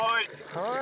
はい。